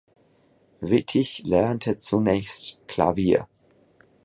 Wittig lernte zunächst Klavier.